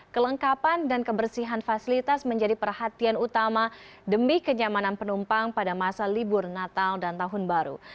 kelengkapan dan kebersihan fasilitas menjadi perhatian utama demi kenyamanan penumpang pada masa libur natal dan tahun baru